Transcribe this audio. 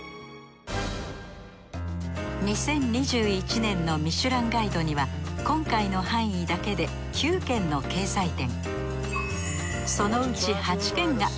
２０２１年のミシュランガイドには今回の範囲だけで９軒の掲載店。